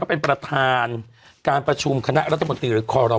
ก็เป็นประธานการประชุมคณะรัฐบนตรี